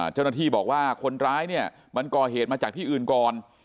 เจ้าหน้าที่บอกว่าคนร้ายเนี่ยมันก่อเหตุมาจากที่อื่นก่อน